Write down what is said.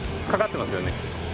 かかってますよね。